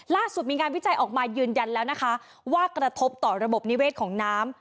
ล่าสุดมีงานวิจัยออกมายืนยันแล้วนะคะว่ากระทบต่อระบบนิเวศของน้ำ